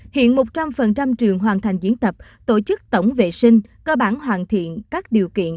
hiện một trăm linh trường hoàn thành diễn tập tổ chức tổng vệ sinh cơ bản hoàn thiện các điều kiện